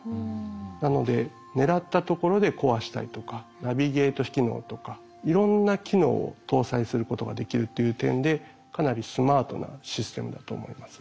なので狙ったところで壊したりとかナビゲート機能とかいろんな機能を搭載することができるっていう点でかなりスマートなシステムだと思います。